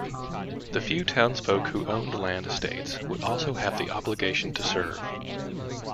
The few townsfolk who owned land estates would also have the obligation to serve.